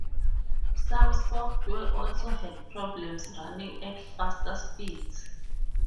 Some software also had problems running at faster speeds.